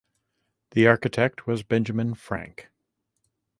The architect was Benjamin Frank.